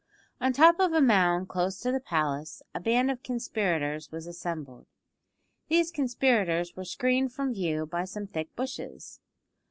On the top of a mound close to the palace a band of conspirators was assembled. These conspirators were screened from view by some thick bushes.